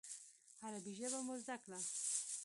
عربي ژبه مو زده کړه.